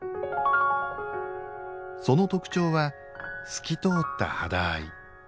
その特徴は、透き通った肌合い。